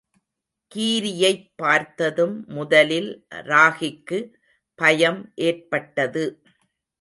கீரியைப் பார்த்ததும் முதலில் ராகிக்கு, பயம் ஏற்பட்டது.